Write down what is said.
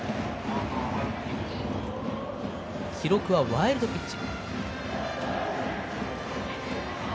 記録はワイルドピッチ。